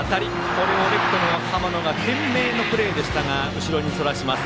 これをレフトの浜野懸命のプレーでしたが後ろにそらします。